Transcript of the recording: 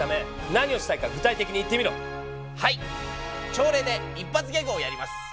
朝礼で一発ギャグをやります！